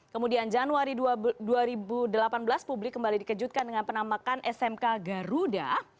kemudian januari dua ribu delapan belas publik kembali dikejutkan dengan penamakan smk garuda